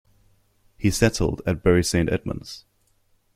He settled at Bury Saint Edmunds.